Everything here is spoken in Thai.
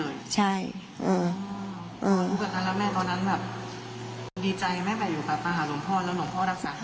มึงด้วยนั้นละแม่ตอนนั้นแบบดีใจไหมแบบอยู่กับมาหาหลวงพ่อและหลวงพ่อรักษา